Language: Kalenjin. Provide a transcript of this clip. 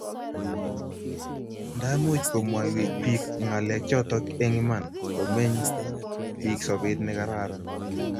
nda much komwaiwech piik ngalek chotok eng' iman komeny piik sobet ne karan